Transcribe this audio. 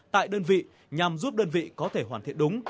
tại đơn vị nhằm giúp đơn vị có thể hoàn thiện đúng